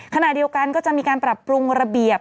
ขณะเดียวกันก็จะมีการปรับปรุงระเบียบ